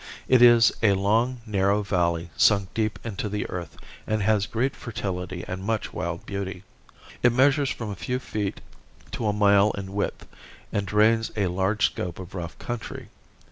It is a long, narrow valley sunk deep into the earth and has great fertility and much wild beauty. It measures from a few feet to a mile in width and drains a large scope of rough country.